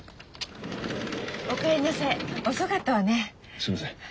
すいません。